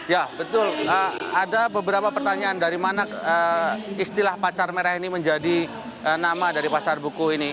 ya betul ada beberapa pertanyaan dari mana istilah pacar merah ini menjadi nama dari pasar buku ini